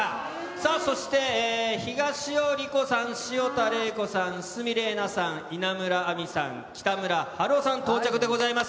さあそして、東尾理子さん、潮田玲子さん、鷲見玲奈さん、稲村亜美さん、北村晴男さん、到着でございます。